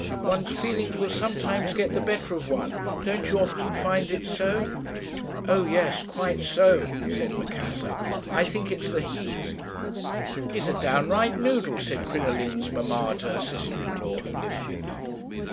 One's feelings will sometimes get the better of one; don't you often find it so?' "'O yes! quite so,' said Macassar. 'I think it's the heat.' "'He's a downright noodle,' said Crinoline's mamma to her sister in law, who lived with them.